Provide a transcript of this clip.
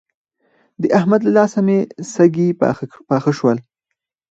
د احمد له لاسه مې سږي پاخه شول.